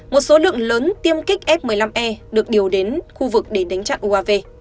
một số lượng lớn tiêm kích f một mươi năm e được điều đến khu vực để đánh chặn uav